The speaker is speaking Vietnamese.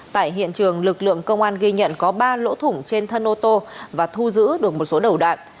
tại hiện trường lực lượng công an ghi nhận có ba lỗ thủng trên thân ô tô và thu giữ được một số đầu đạn